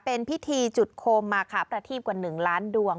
เป็นพิธีจุดโคมมาคะประทีบกว่า๑ล้านดวง